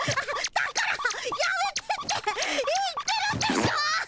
だからやめてって言ってるでしょ！